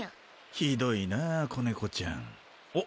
ひどいなぁ子猫ちゃん。おっ。